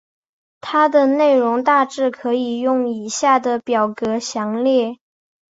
它的内容大致可以用以下的表格详列。